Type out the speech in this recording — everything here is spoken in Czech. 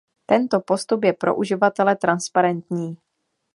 Tento postup je pro uživatele transparentní.